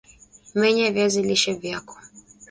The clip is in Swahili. Menya viazi lishe vyako